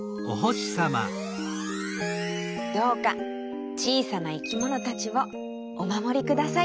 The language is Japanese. どうかちいさないきものたちをおまもりください。